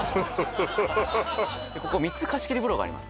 ここ３つ貸切風呂があります